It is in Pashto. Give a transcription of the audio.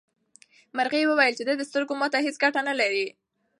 مرغۍ وویل چې د ده سترګه ماته هیڅ ګټه نه لري.